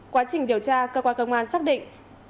quá trình điều tra cơ quan công an xác định